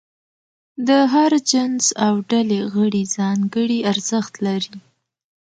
د هر جنس او ډلې غړي ځانګړي ارزښت لري.